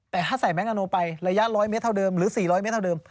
แต่ถ้าใส่แม็กอัโนไประยะร้อยเมตรเท่าเดิมหรือสี่ร้อยเมตรเท่าเดิม